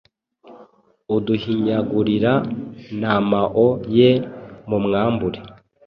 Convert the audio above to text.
Uduhinyagurira namao ye, mumwambure